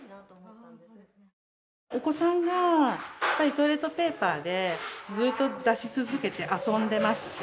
お子さんがトイレットペーパーでずっと出し続けて遊んでまして。